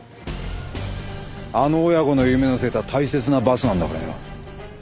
あの親子の夢乗せた大切なバスなんだからよ。